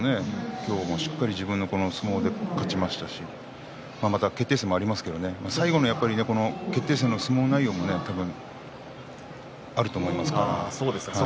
今日は、しっかり自分の相撲で勝ちましたしまだ決定戦もありますけどね最後の決定戦の相撲内容は多分あると思いますから。